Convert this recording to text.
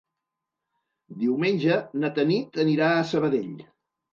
Diumenge na Tanit anirà a Sabadell.